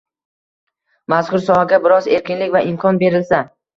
mazkur sohaga biroz erkinlik va imkon berilsa